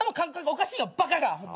おかしいよバカが！